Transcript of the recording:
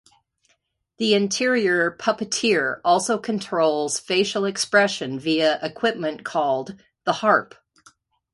The interior puppeteer also controls facial expression via equipment called "the harp".